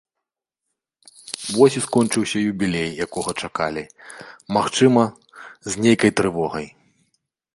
Вось і скончыўся юбілей, якога чакалі, магчыма, з нейкай трывогай.